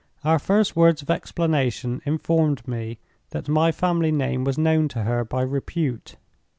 "Our first words of explanation informed me that my family name was known to her by repute.